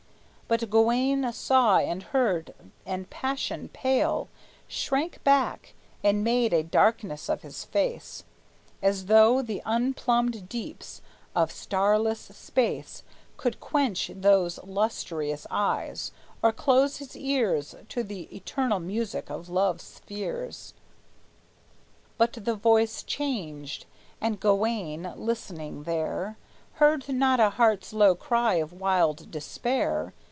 But Gawayne saw and heard, and passion pale Shrank back, and made a darkness of his face; (As though the unplumbed deeps of starless space Could quench those lustrous eyes, or close his ears To the eternal music of love's spheres!) But the voice changed, and Gawayne, listening there, Heard now a heart's low cry of wild despair.